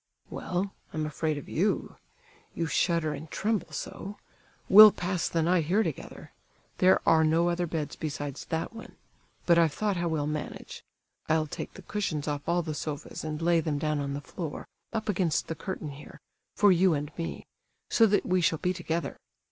"Well, I'm afraid of you. You shudder and tremble so. We'll pass the night here together. There are no other beds besides that one; but I've thought how we'll manage. I'll take the cushions off all the sofas, and lay them down on the floor, up against the curtain here—for you and me—so that we shall be together.